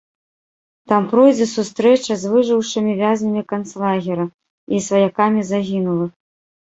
Там пройдзе сустрэча з выжыўшымі вязнямі канцлагера і сваякамі загінулых.